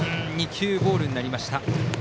２球、ボールになりました。